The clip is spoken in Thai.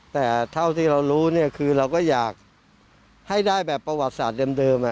แต่เท่าที่เรารู้เนี่ยคือเราก็อยากให้ได้แบบประวัติศาสตร์เดิม